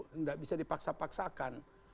tidak bisa dipaksa paksakan